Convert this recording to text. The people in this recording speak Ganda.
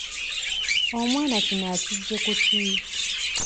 Omwana kino ekiggye ku ki?